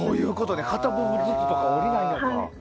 片っぽずつじゃ下りないのか。